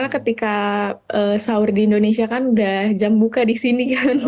jadi ketika sahur di indonesia kan sudah jam buka di sini kan